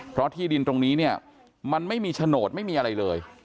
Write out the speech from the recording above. เพราะที่ดินตรงนี้เนี่ยมันไม่มีโฉนดไม่มีอะไรเลย